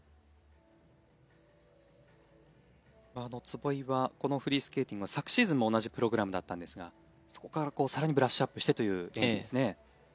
壷井はこのフリースケーティングは昨シーズンも同じプログラムだったんですがそこから更にブラッシュアップしてという演技ですね。